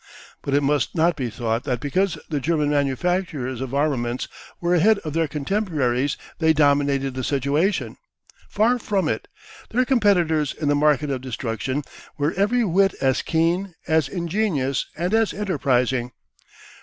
But it must not be thought that because the German manufacturers of armaments were ahead of their contemporaries they dominated the situation. Far from it. Their competitors in the market of destruction were every whit as keen, as ingenious, and as enterprising.